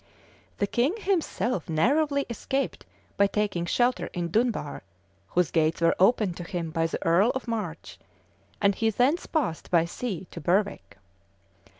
The king himself narrowly escaped by taking shelter in Dunbar, whose gates were opened to him by the earl of March; and he thence passed by sea to Berwick.